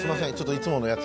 いつものやつ？